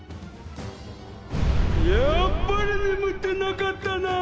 やっぱりねむってなかったな！